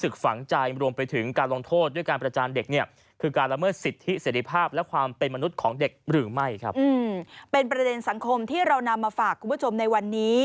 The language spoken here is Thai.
ของเด็กหรือไม่ครับอืมเป็นประเด็นสังคมที่เรานำมาฝากคุณผู้ชมในวันนี้